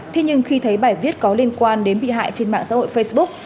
thế nhưng khi thấy bài viết có liên quan đến bị hại trên mạng xã hội facebook